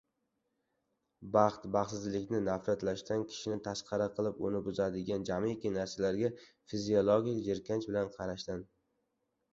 Baxt baxtsizlikni nafratlashdan, kishini tasqara qilib, uni buzadigan jamiki narsalarga fiziologik jirkanch bilan qarashdan